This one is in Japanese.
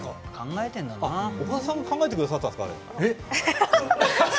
岡田さんが考えてくださっていたんですか？